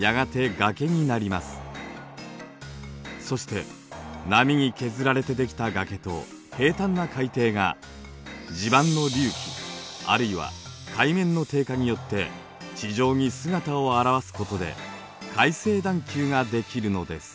そして波に削られてできた崖と平坦な海底が地盤の隆起あるいは海面の低下によって地上に姿をあらわすことで海成段丘ができるのです。